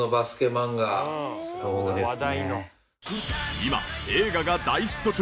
今映画が大ヒット中。